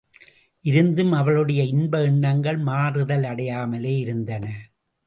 இருந்தும், அவளுடைய இன்ப எண்ணங்கள் மாறுதலடையாமலே இருந்தன.